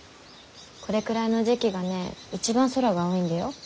これくらいの時期がね一番空が青いんだよ。